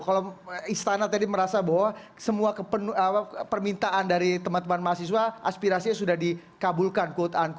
kalau istana tadi merasa bahwa semua permintaan dari teman teman mahasiswa aspirasinya sudah dikabulkan quote unqu